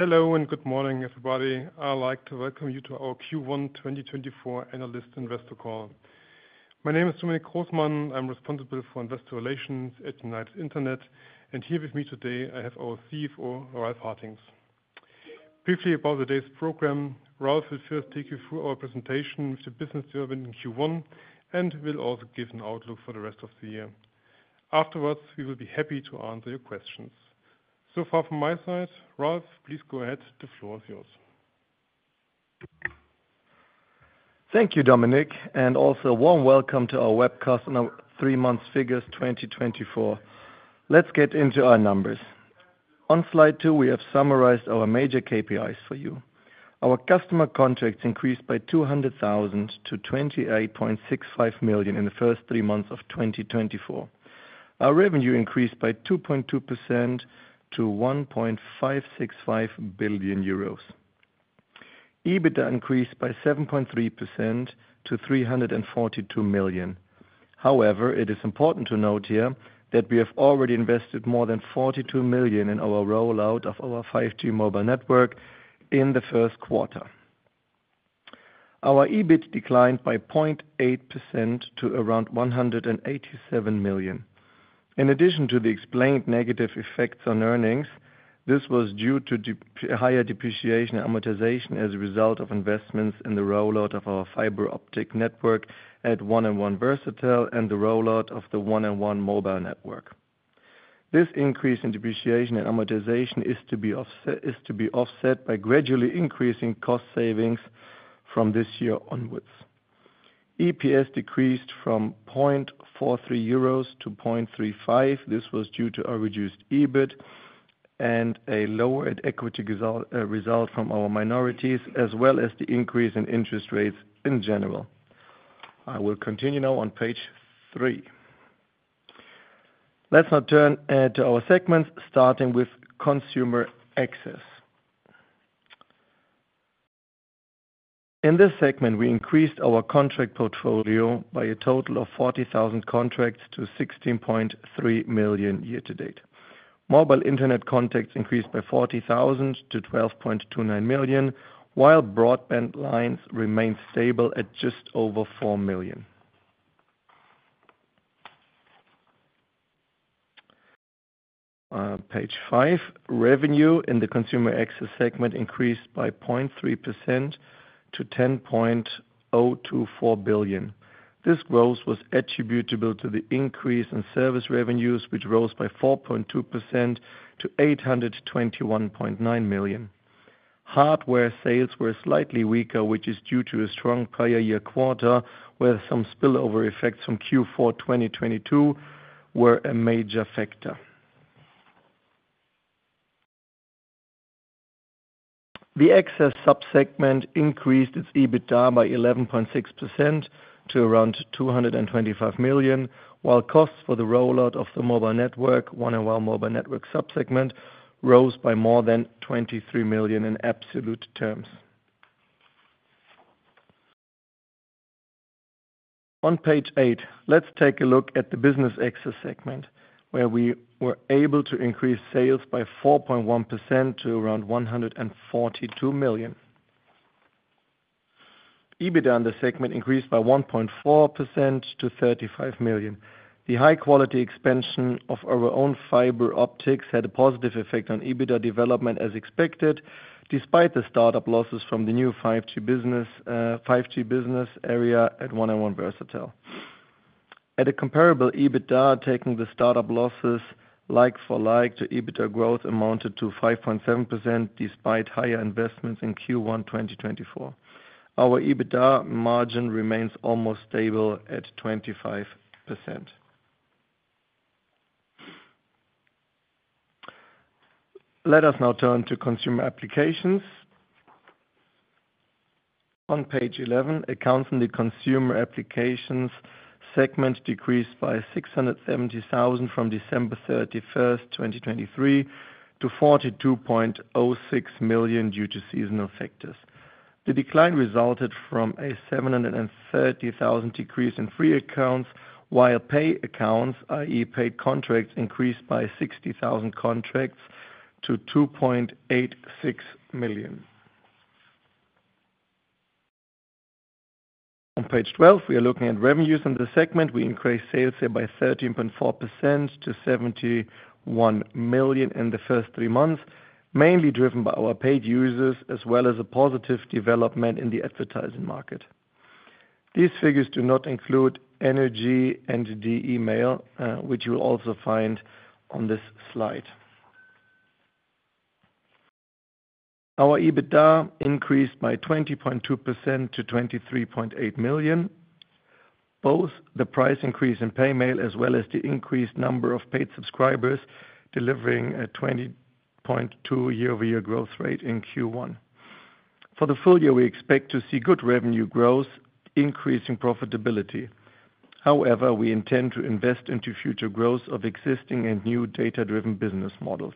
Hello, and good morning, everybody. I'd like to welcome you to our Q1 2024 Analyst Investor Call. My name is Dominic Großmann. I'm responsible for investor relations at United Internet, and here with me today, I have our CFO, Ralf Hartings. Briefly about today's program, Ralf will first take you through our presentation with the business development in Q1, and we'll also give an outlook for the rest of the year. Afterwards, we will be happy to answer your questions. So far from my side, Ralf, please go ahead. The floor is yours. Thank you, Dominic, and also warm welcome to our webcast on our 3 months figures, 2024. Let's get into our numbers. On slide 2, we have summarized our major KPIs for you. Our customer contracts increased by 200,000 to 28.65 million in the first 3 months of 2024. Our revenue increased by 2.2% to 1.565 billion euros. EBITDA increased by 7.3% to 342 million. However, it is important to note here that we have already invested more than 42 million in our rollout of our 5G mobile network in the first quarter. Our EBIT declined by 0.8% to around 187 million. In addition to the explained negative effects on earnings, this was due to higher depreciation amortization as a result of investments in the rollout of our fiber optic network at 1&1 Versatel, and the rollout of the 1&1 Mobile Network. This increase in depreciation and amortization is to be offset by gradually increasing cost savings from this year onwards. EPS decreased from 0.43 euros to 0.35. This was due to a reduced EBIT and a lower at equity result from our minorities, as well as the increase in interest rates in general. I will continue now on page three. Let's now turn to our segments, starting with Consumer Access. In this segment, we increased our contract portfolio by a total of 40,000 contracts to 16.3 million year to date. Mobile internet contacts increased by 40,000 to 12.29 million, while broadband lines remained stable at just over 4 million. Page five, revenue in the Consumer Access segment increased by 0.3% to 10.024 billion. This growth was attributable to the increase in service revenues, which rose by 4.2% to 821.9 million. Hardware sales were slightly weaker, which is due to a strong prior year quarter, where some spillover effects from Q4 2022 were a major factor. The access sub-segment increased its EBITDA by 11.6% to around 225 million, while costs for the rollout of the mobile network, 1&1 Mobile Network sub-segment, rose by more than 23 million in absolute terms. On page eight, let's take a look at the Business Access segment, where we were able to increase sales by 4.1% to around 142 million. EBITDA in the segment increased by 1.4% to 35 million. The high quality expansion of our own fiber optics had a positive effect on EBITDA development as expected, despite the startup losses from the new 5G business, 5G business area at 1&1 Versatel. At a comparable EBITDA, taking the startup losses like for like, the EBITDA growth amounted to 5.7%, despite higher investments in Q1 2024. Our EBITDA margin remains almost stable at 25%. Let us now turn to Consumer Applications. On page eleven, accounts in the Consumer Applications segment decreased by 670,000 from December 31, 2023, to 42.06 million due to seasonal factors. The decline resulted from a 730,000 decrease in free accounts, while pay accounts, i.e., paid contracts, increased by 60,000 contracts to 2.86 million. On page twelve, we are looking at revenues in the segment. We increased sales here by 13.4% to 71 million in the first three months, mainly driven by our paid users, as well as a positive development in the advertising market. These figures do not include energy and De-Mail, which you'll also find on this slide. Our EBITDA increased by 20.2% to 23.8 million. Both the price increase in Pay-Mail, as well as the increased number of paid subscribers, delivering a 20.2% year-over-year growth rate in Q1. For the full year, we expect to see good revenue growth, increasing profitability. However, we intend to invest into future growth of existing and new data-driven business models.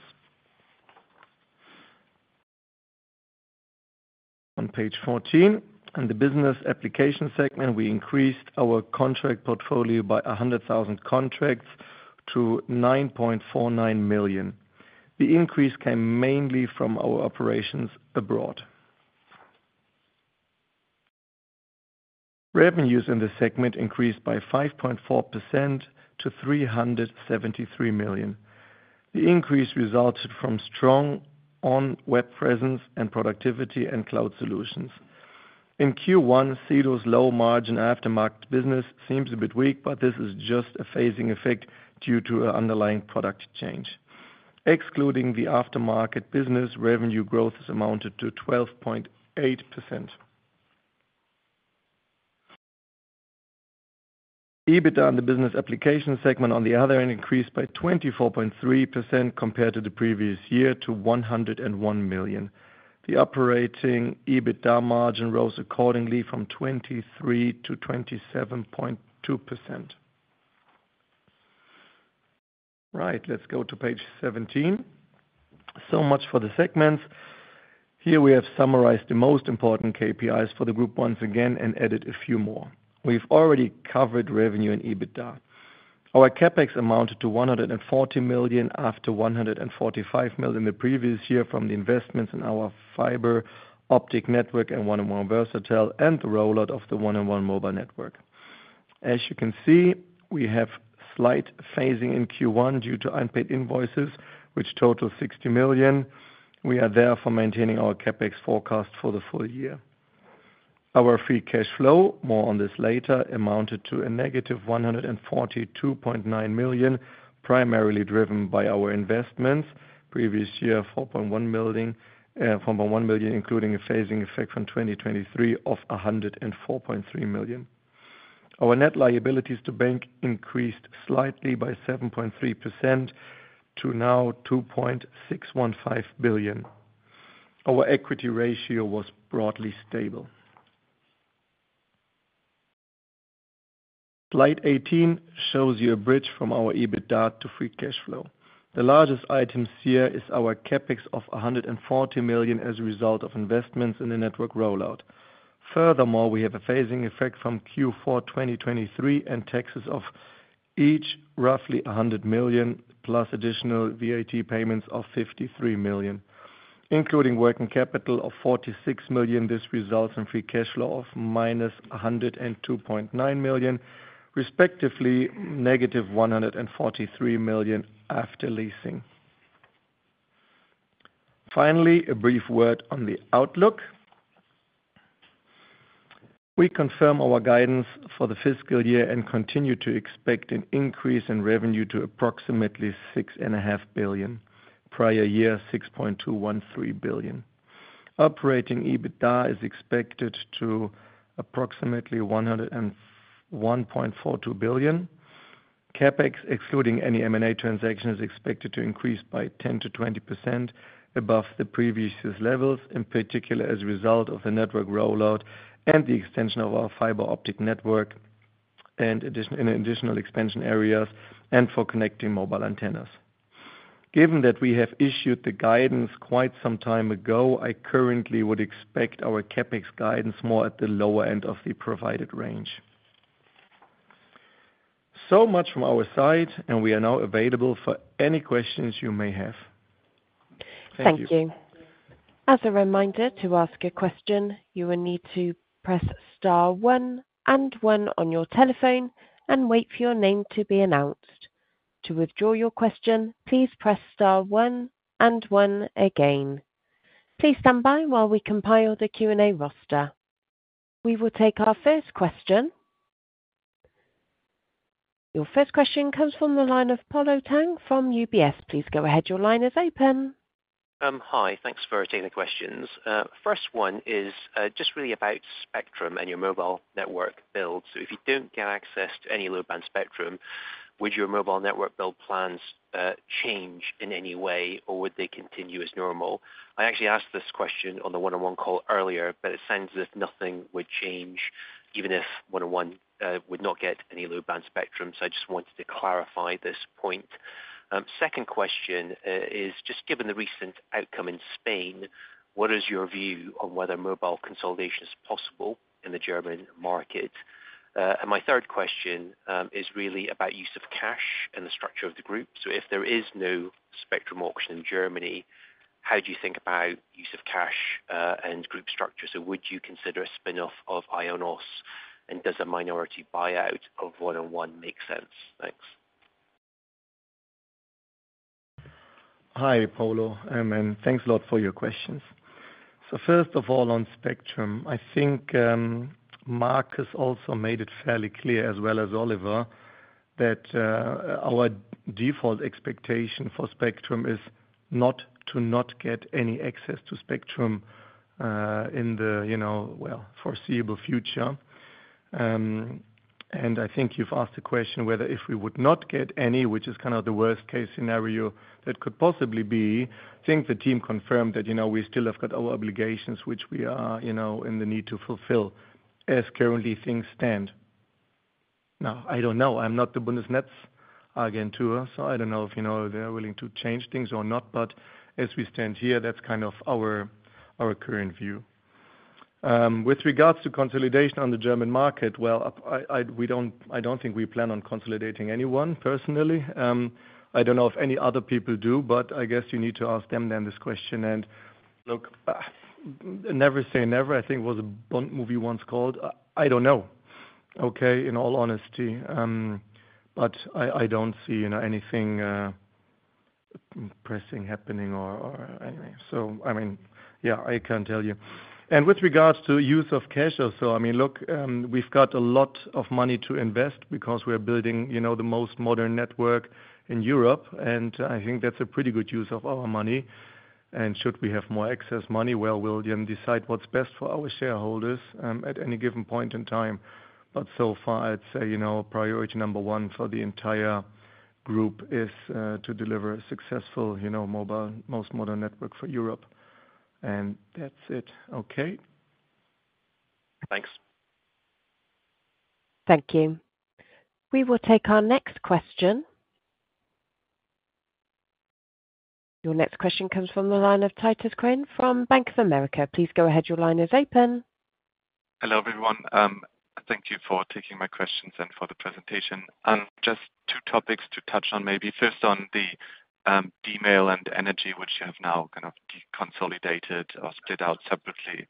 On page 14, in the Business Applications segment, we increased our contract portfolio by 100,000 contracts to 9.49 million. The increase came mainly from our operations abroad. Revenues in this segment increased by 5.4% to 373 million. The increase resulted from strong on Web Presence and Productivity and cloud solutions. In Q1, Sedo's low margin aftermarket business seems a bit weak, but this is just a phasing effect due to an underlying product change. Excluding the aftermarket business, revenue growth amounted to 12.8%. EBITDA in the Business Applications segment, on the other hand, increased by 24.3% compared to the previous year, to 101 million. The operating EBITDA margin rose accordingly from 23% to 27.2%. Right, let's go to page 17. So much for the segments. Here we have summarized the most important KPIs for the group once again and added a few more. We've already covered revenue and EBITDA. Our CapEx amounted to 140 million, after 145 million in the previous year from the investments in our fiber optic network and 1&1 Versatel and the rollout of the 1&1 Mobile Network. As you can see, we have slight phasing in Q1 due to unpaid invoices, which total 60 million. We are therefore maintaining our CapEx forecast for the full year. Our free cash flow, more on this later, amounted to a negative 142.9 million, primarily driven by our investments. Previous year, 4.1 million, 4.1 million, including a phasing effect from 2023 of 104.3 million. Our net liabilities to bank increased slightly by 7.3% to now 2.615 billion. Our equity ratio was broadly stable. Slide 18 shows you a bridge from our EBITDA to free cash flow. The largest items here is our CapEx of 140 million as a result of investments in the network rollout. Furthermore, we have a phasing effect from Q4 2023, and taxes of each, roughly 100 million, plus additional VAT payments of 53 million, including working capital of 46 million. This results in free cash flow of -102.9 million, respectively, negative 143 million after leasing. Finally, a brief word on the outlook. We confirm our guidance for the fiscal year and continue to expect an increase in revenue to approximately 6.5 billion, prior year, 6.213 billion. Operating EBITDA is expected to approximately 101.42 billion. CapEx, excluding any M&A transaction, is expected to increase by 10%-20% above the previous levels, in particular, as a result of the network rollout and the extension of our fiber optic network, and in additional expansion areas and for connecting mobile antennas. Given that we have issued the guidance quite some time ago, I currently would expect our CapEx guidance more at the lower end of the provided range. So much from our side, and we are now available for any questions you may have. Thank you. Thank you. As a reminder, to ask a question, you will need to press star one and one on your telephone and wait for your name to be announced. To withdraw your question, please press star one and one again. Please stand by while we compile the Q&A roster. We will take our first question. Your first question comes from the line of Polo Tang from UBS. Please go ahead. Your line is open. Hi, thanks for taking the questions. First one is just really about spectrum and your mobile network build. So if you don't get access to any low-band spectrum, would your mobile network build plans change in any way, or would they continue as normal? I actually asked this question on the 1&1 call earlier, but it sounds as if nothing would change, even if 1&1 would not get any low-band spectrum. So I just wanted to clarify this point. Second question is just given the recent outcome in Spain, what is your view on whether mobile consolidation is possible in the German market? And my third question is really about use of cash and the structure of the group. So if there is no spectrum auction in Germany, how do you think about use of cash and group structure? So would you consider a spin-off of IONOS, and does a minority buyout of 1&1 make sense? Thanks. Hi, Polo, and thanks a lot for your questions. So first of all, on spectrum, I think, Markus also made it fairly clear, as well as Oliver, that, our default expectation for spectrum is not to not get any access to spectrum, in the, you know, well, foreseeable future. And I think you've asked the question whether if we would not get any, which is kind of the worst-case scenario that could possibly be. I think the team confirmed that, you know, we still have got our obligations, which we are, you know, in the need to fulfill as currently things stand. Now, I don't know, I'm not the Bundesnetzagentur too, so I don't know if you know they're willing to change things or not, but as we stand here, that's kind of our, our current view. With regards to consolidation on the German market, well, I don't think we plan on consolidating anyone personally. I don't know if any other people do, but I guess you need to ask them then this question, and look, never say never, I think was a Bond movie once called. I don't know, okay, in all honesty, but I don't see, you know, anything pressing happening or anyway. So I mean, yeah, I can't tell you. And with regards to use of cash also, I mean, look, we've got a lot of money to invest because we're building, you know, the most modern network in Europe, and I think that's a pretty good use of our money. Should we have more excess money, well, we'll then decide what's best for our shareholders, at any given point in time. But so far I'd say, you know, priority number one for the entire group is, to deliver a successful, you know, mobile, most modern network for Europe. And that's it. Okay? Thanks. Thank you. We will take our next question. Your next question comes from the line of Titus Quinn from Bank of America. Please go ahead. Your line is open. Hello, everyone. Thank you for taking my questions and for the presentation. Just two topics to touch on, maybe first on the De-Mail and energy, which you have now kind of deconsolidated or split out separately.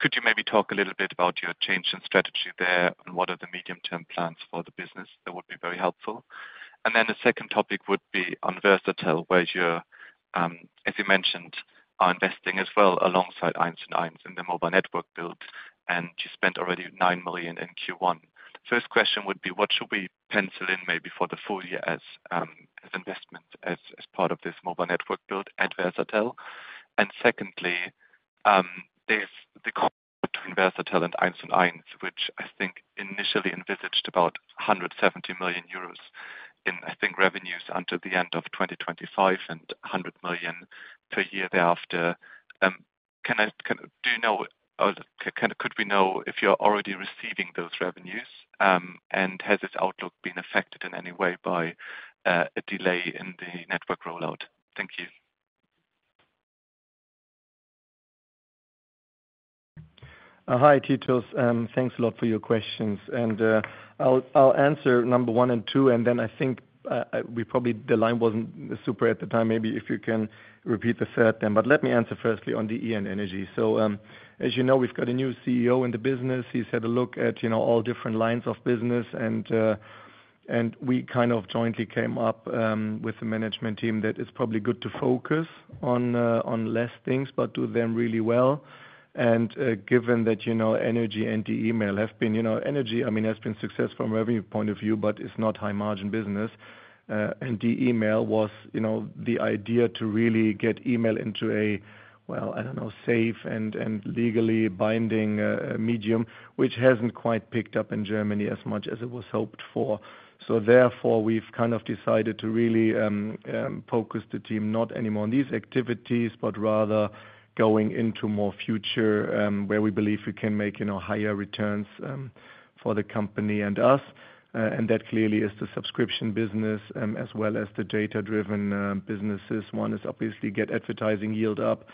Could you maybe talk a little bit about your change in strategy there, and what are the medium-term plans for the business? That would be very helpful. And then the second topic would be on Versatel, where you're, as you mentioned, are investing as well alongside 1&1 in the mobile network build, and you spent already 9 million in Q1. First question would be, what should we pencil in maybe for the full year as investment, as part of this mobile network build at Versatel? Secondly, there's the between 1&1 Versatel and 1&1, which I think initially envisaged about 170 million euros in, I think, revenues until the end of 2025, and 100 million per year thereafter. Can I, do you know, or kind of could we know if you're already receiving those revenues? Has this outlook been affected in any way by a delay in the network rollout? Thank you. Hi, Titus, thanks a lot for your questions. I'll answer number one and two, and then I think, we probably, the line wasn't super at the time, maybe if you can repeat the third then, but let me answer firstly on DE and Energy. So, as you know, we've got a new CEO in the business. He's had a look at, you know, all different lines of business and we kind of jointly came up with the management team that it's probably good to focus on less things, but do them really well. Given that, you know, energy and De-Mail have been, you know, energy, I mean, has been success from every point of view, but it's not high margin business. And De-Mail was, you know, the idea to really get email into a, well, I don't know, safe and legally binding medium, which hasn't quite picked up in Germany as much as it was hoped for. So therefore, we've kind of decided to really focus the team not anymore on these activities, but rather going into more future, where we believe we can make, you know, higher returns, for the company and us. And that clearly is the subscription business, as well as the data-driven businesses. One is obviously get advertising yield up,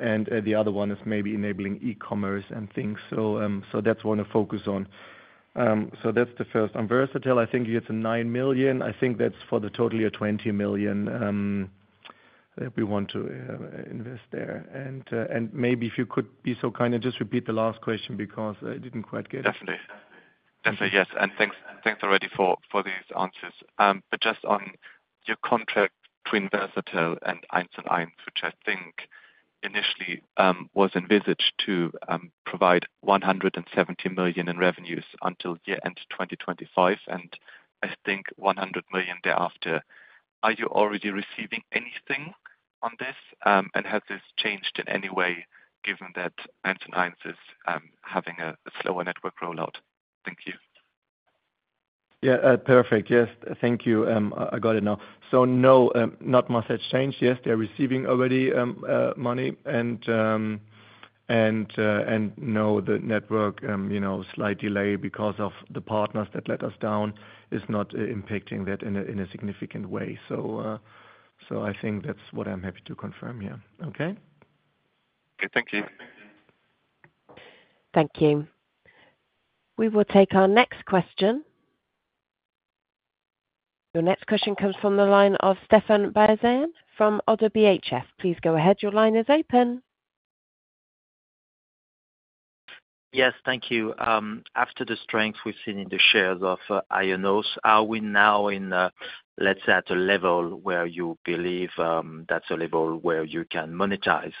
and the other one is maybe enabling e-commerce and things. So, so that's one to focus on. So that's the first. On Versatel, I think you have some 9 million.I think that's for the total of 20 million that we want to invest there. Maybe if you could be so kind and just repeat the last question because I didn't quite get it. Definitely. Definitely, yes, and thanks, thanks already for these answers. Just on your contract between Versatel and 1&1, which I think initially was envisaged to provide 170 million in revenues until year end 2025, and I think 100 million thereafter. Are you already receiving anything on this? Has this changed in any way given that 1&1 is having a slower network rollout? Thank you. Yeah. Perfect. Yes, thank you. I got it now. So no, not much has changed. Yes, they're receiving already money and no, the network, you know, slight delay because of the partners that let us down is not impacting that in a significant way. So, I think that's what I'm happy to confirm here. Okay? Okay. Thank you. Thank you. We will take our next question. Your next question comes from the line of Stephane Beyazian from Oddo BHF. Please go ahead. Your line is open. Yes, thank you. After the strength we've seen in the shares of IONOS, are we now in, let's say, at a level where you believe that's a level where you can monetize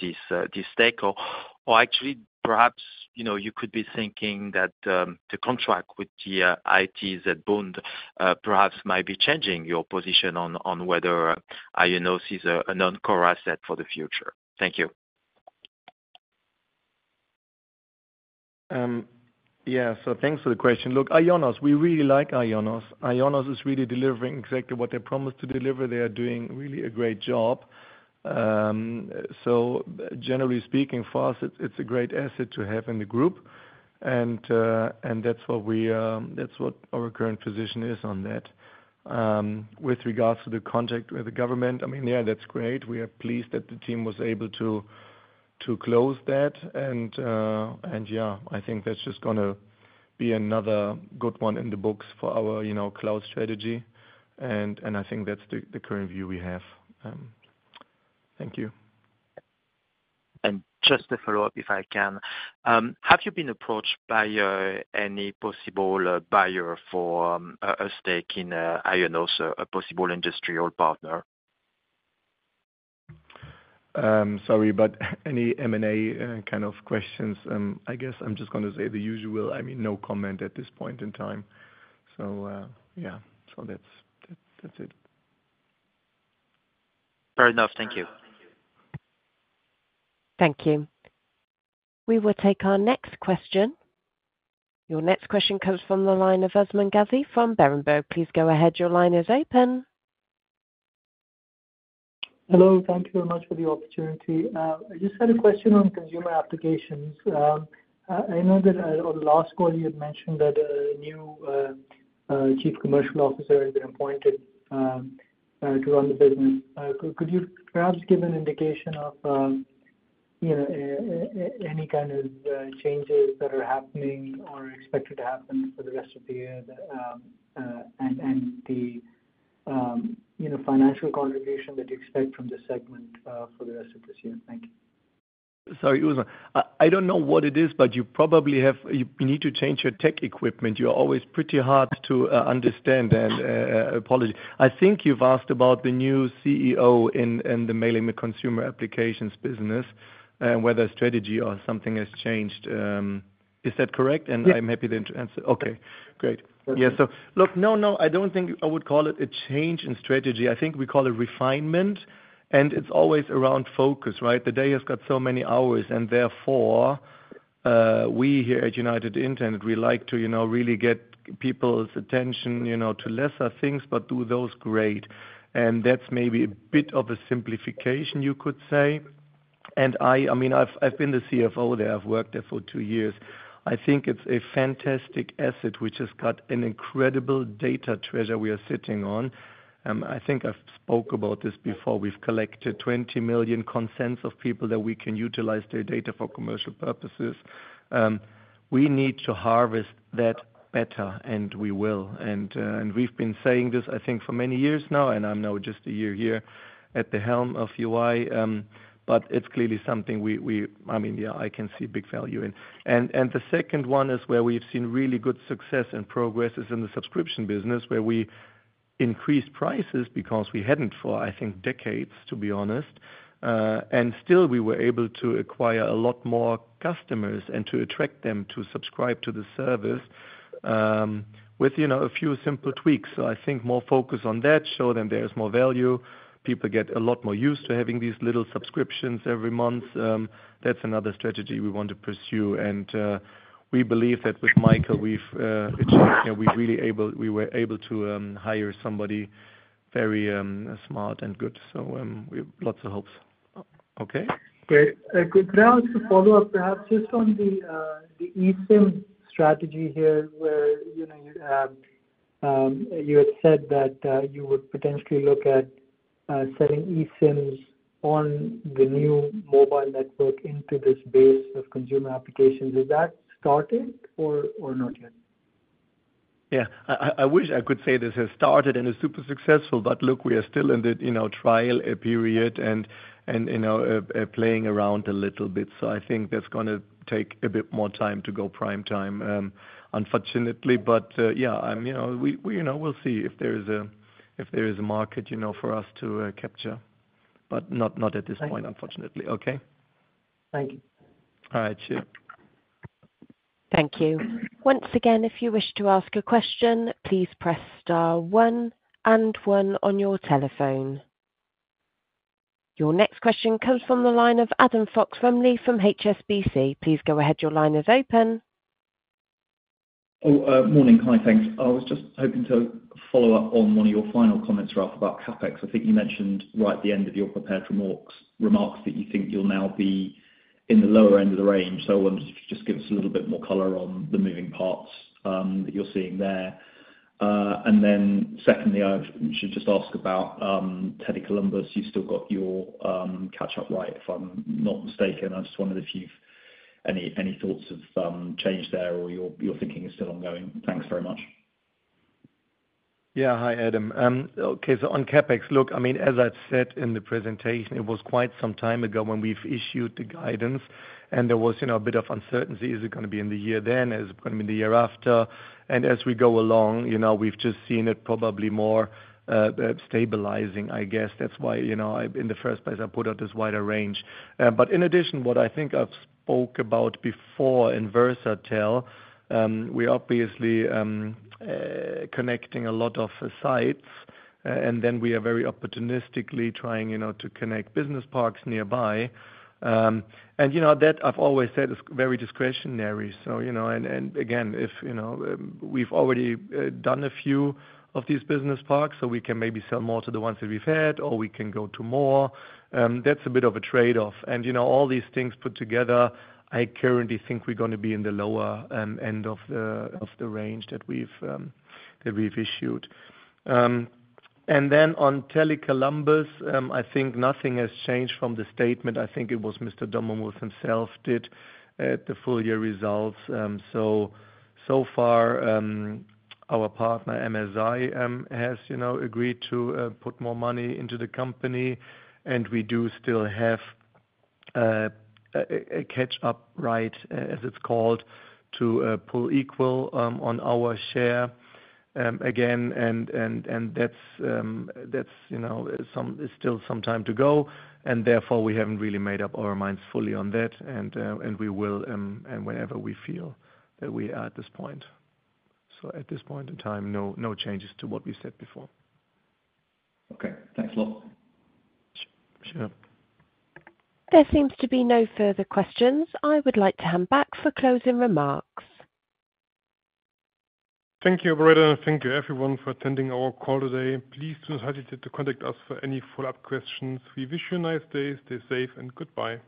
this stake? Or actually, perhaps, you know, you could be thinking that the contract with the ITZBund perhaps might be changing your position on whether IONOS is a non-core asset for the future. Thank you. Yeah, so thanks for the question. Look, IONOS, we really like IONOS. IONOS is really delivering exactly what they promised to deliver. They are doing really a great job. So generally speaking, for us, it's a great asset to have in the group.... And that's what we, that's what our current position is on that. With regards to the contract with the government, I mean, yeah, that's great. We are pleased that the team was able to close that, and yeah, I think that's just gonna be another good one in the books for our, you know, cloud strategy. And I think that's the current view we have. Thank you. Just to follow up, if I can, have you been approached by any possible buyer for a stake in IONOS, a possible industrial partner? Sorry, but any M&A kind of questions, I guess I'm just gonna say the usual, I mean, no comment at this point in time. So, yeah, so that's it. Fair enough. Thank you. Thank you. We will take our next question. Your next question comes from the line of Usman Ghazi from Berenberg. Please go ahead. Your line is open. Hello. Thank you very much for the opportunity. I just had a question on Consumer Applications. I know that, on the last call you had mentioned that a new chief commercial officer had been appointed, to run the business. Could you perhaps give an indication of, you know, any kind of changes that are happening or expected to happen for the rest of the year? That, and, and the, you know, financial contribution that you expect from this segment, for the rest of this year. Thank you. Sorry, Usman. I don't know what it is, but you probably have. You need to change your tech equipment. You're always pretty hard to understand, and apologies. I think you've asked about the new CEO in mainly in the Consumer Applications business, whether strategy or something has changed. Is that correct? Yeah. I'm happy then to answer. Okay, great. Thank you. Yeah, so look, no, no, I don't think I would call it a change in strategy. I think we call it refinement, and it's always around focus, right? The day has got so many hours, and therefore, we here at United Internet, we like to, you know, really get people's attention, you know, to lesser things, but do those great. And that's maybe a bit of a simplification, you could say. And I mean, I've been the CFO there. I've worked there for two years. I think it's a fantastic asset, which has got an incredible data treasure we are sitting on. I think I've spoke about this before. We've collected 20 million consents of people that we can utilize their data for commercial purposes. We need to harvest that better, and we will. And we've been saying this, I think, for many years now, and I'm now just a year here at the helm of UI, but it's clearly something we, I mean, yeah, I can see big value in. And the second one is where we've seen really good success and progress, is in the subscription business, where we increased prices because we hadn't for, I think, decades, to be honest. And still we were able to acquire a lot more customers and to attract them to subscribe to the service, with, you know, a few simple tweaks. So I think more focus on that, show them there is more value. People get a lot more used to having these little subscriptions every month. That's another strategy we want to pursue, and we believe that with Michael, we've achieved, you know, we really were able to hire somebody very smart and good. So, we have lots of hopes. Okay? Great. Could I ask a follow-up, perhaps, just on the eSIM strategy here, where, you know, you had said that you would potentially look at selling eSIMs on the new mobile network into this base of Consumer Applications. Has that started or not yet? Yeah. I wish I could say this has started and is super successful, but look, we are still in the trial period and playing around a little bit. So I think that's gonna take a bit more time to go prime time, unfortunately. But, yeah, you know, we you know, we'll see if there is a, if there is a market, you know, for us to capture, but not, not at this point- Thank you. Unfortunately. Okay? Thank you. All right, sure. Thank you. Once again, if you wish to ask a question, please press star one and one on your telephone. Your next question comes from the line of Adam Fox-Rumley from HSBC. Please go ahead. Your line is open. Morning. Hi, thanks. I was just hoping to follow up on one of your final comments, Ralf, about CapEx. I think you mentioned right at the end of your prepared remarks that you think you'll now be in the lower end of the range. So I wondered if you could just give us a little bit more color on the moving parts that you're seeing there. And then secondly, I should just ask about Tele Columbus. You've still got your catch-up right, if I'm not mistaken. I just wondered if you've any thoughts of change there, or your thinking is still ongoing? Thanks very much. Yeah. Hi, Adam. Okay, so on CapEx, look, I mean, as I've said in the presentation, it was quite some time ago when we've issued the guidance, and there was, you know, a bit of uncertainty. Is it gonna be in the year then? Is it gonna be the year after? And as we go along, you know, we've just seen it probably more stabilizing, I guess. That's why, you know, in the first place I put out this wider range. But in addition, what I think I've spoke about before in Versatel, we're obviously connecting a lot of the sites, and then we are very opportunistically trying, you know, to connect business parks nearby. And you know, that I've always said, is very discretionary. So, you know, and again, if, you know, we've already done a few of these business parks, so we can maybe sell more to the ones that we've had, or we can go to more, that's a bit of a trade-off. And, you know, all these things put together, I currently think we're gonna be in the lower end of the range that we've issued. And then on Tele Columbus, I think nothing has changed from the statement. I think it was Mr. Dommermuth himself did at the full year results. So far, our partner, MSI, has, you know, agreed to put more money into the company, and we do still have a catch-up right, as it's called, to pull equal on our share, again, and that's, you know, some-- it's still some time to go, and therefore, we haven't really made up our minds fully on that. And we will, and whenever we feel that we are at this point. So at this point in time, no changes to what we said before. Okay. Thanks a lot. Sure. There seems to be no further questions. I would like to hand back for closing remarks. Thank you, Loretta. Thank you everyone for attending our call today. Please do not hesitate to contact us for any follow-up questions. We wish you a nice day. Stay safe, and goodbye.